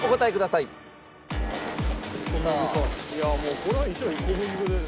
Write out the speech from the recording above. いやもうこれは。